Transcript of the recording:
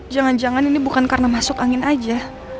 jangan jangan ini bukan karena masuk angin aja